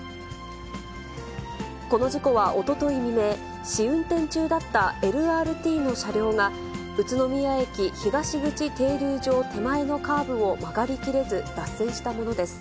この事故はおととい未明、試運転中だったＬＲＴの車両が、宇都宮駅東口停留場手前のカーブを曲がりきれず、脱線したものです。